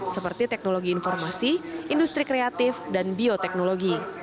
seperti teknologi informasi industri kreatif dan bioteknologi